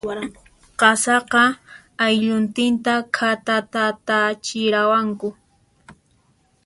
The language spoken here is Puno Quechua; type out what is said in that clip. Qasaqa, aylluntinta khatatatachiwaranku.